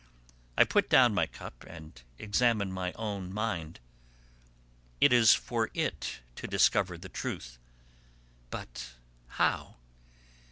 I put down my cup and examine my own mind. It is for it to discover the truth. But how?